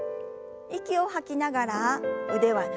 息を吐きながら腕は斜め下。